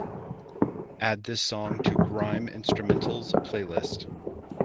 add this song to grime instrumentals playlist